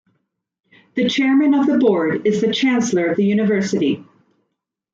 The Chairman of the board is the Chancellor of the University.